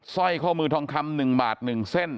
สร้อยข้อมือทองคำ๑บาท๑เส้น